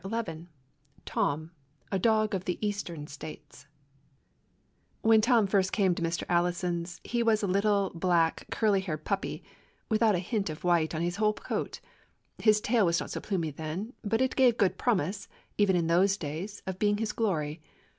234 TOM: A DOG OF THE EASTERN STATES W HEN Tom first came to Mr. Allison's he was a little, black, curly haired puppy, without a hint of white on his whole coat. His tail was not so plumy then, but it gave good promise, even in those days, of being his glory.